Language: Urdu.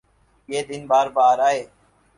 یہ دن بار بارآۓ